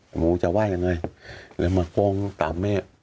หมูจะไหว้ยังไงหรือมากรงตามแม่